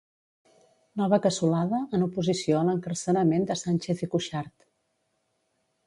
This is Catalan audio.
Nova cassolada en oposició a l'encarcerament de Sánchez i Cuixart.